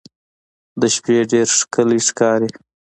د شپې ډېر ښکلی ښکاري.